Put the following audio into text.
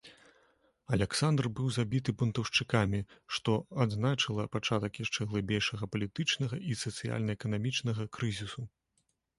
Аляксандр быў забіты бунтаўшчыкамі, што адзначыла пачатак яшчэ глыбейшага палітычнага і сацыяльна-эканамічнага крызісу.